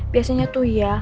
biasanya tuh ya